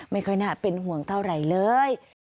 ไม่ค่อยน่าเป็นห่วงเท่าไหร่เลย